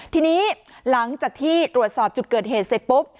ทีนี้หลังจากที่ตรวจสอบจุดเกิดเหตุเสร็จปุ๊บ